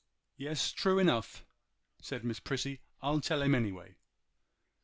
'Yes, true enough,' said Miss Prissy, 'I'll tell him anyway.